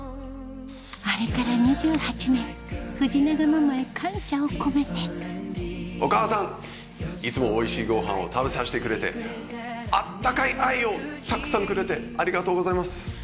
あれから２８年藤永ママへ感謝を込めてお母さんいつもおいしいごはんを食べさせてくれて温かい愛をたくさんくれてありがとうございます。